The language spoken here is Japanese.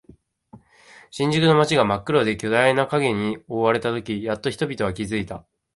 新宿の街が真っ黒で巨大な影に覆われたとき、やっと人々は気づいた。